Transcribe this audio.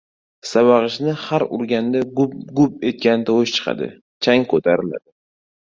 Savag‘ichni har urganda gup-gup etgan tovush chiqadi, chang ko‘tariladi.